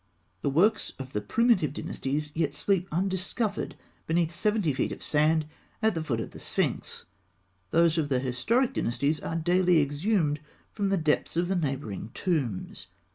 The works of the primitive dynasties yet sleep undiscovered beneath seventy feet of sand at the foot of the Sphinx; those of the historic dynasties are daily exhumed from the depths of the neighbouring tombs.